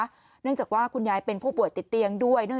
เนื่องจากว่าคุณยายเป็นผู้ป่วยติดเตียงด้วย